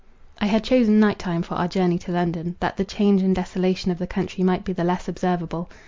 I had chosen night time for our journey to London, that the change and desolation of the country might be the less observable.